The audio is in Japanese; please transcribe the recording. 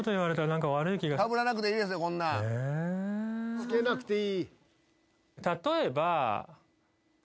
着けなくていい。